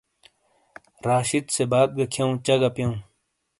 راشد سے بات گہ کھِیَوں چَہ گہ پِیوں۔